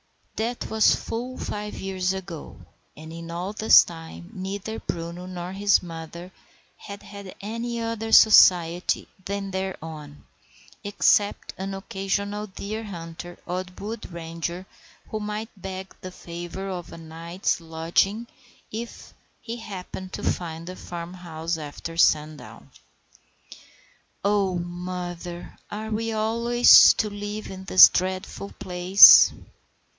That was full five years ago, and in all this time neither Bruno nor his mother had had any other society than their own, except an occasional deer hunter or wood ranger who might beg the favour of a night's lodging if he happened to find the farm house after sundown. "Oh, mother, are we always to live in this dreadful place?"